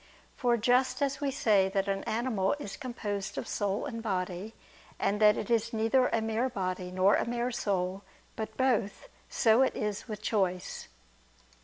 For just as we say that an animal is composed of soul and body, and that it is neither a mere body, nor a mere soul, but both; so is it with choice."